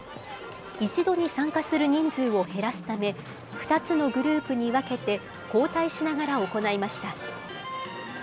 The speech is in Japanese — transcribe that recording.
一度に参加する人数を減らすため、２つのグループに分けて、交代しながら行いました。